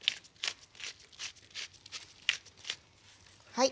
はい。